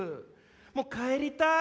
もう帰りたい。